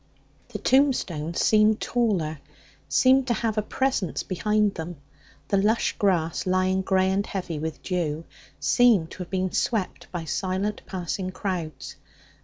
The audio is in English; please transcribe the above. The tombstones seemed taller, seemed to have a presence behind them; the lush grass, lying grey and heavy with dew, seemed to have been swept by silent passing crowds.